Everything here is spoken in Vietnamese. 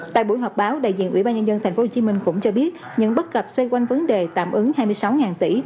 tại buổi họp báo đại diện ubnd tp hcm cũng cho biết những bất cập xoay quanh vấn đề tạm ứng hai mươi sáu tỷ